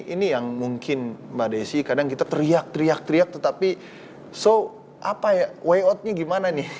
ini yang mungkin mbak desi kadang kita teriak teriak teriak tetapi so apa ya way outnya gimana nih